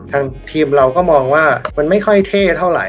ทางทีมเราก็มองว่ามันไม่ค่อยเท่เท่าไหร